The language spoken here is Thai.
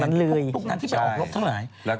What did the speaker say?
ทุกนั้นที่ไปออกรบทั้งหลาย